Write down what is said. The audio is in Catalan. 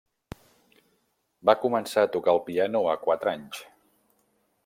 Va començar a tocar el piano a quatre anys.